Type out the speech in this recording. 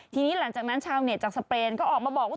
ทีนี้หลังจากนั้นชาวเน็ตจากสเปนก็ออกมาบอกว่า